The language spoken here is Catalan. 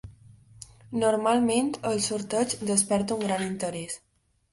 Normalment, el sorteig desperta un gran interès.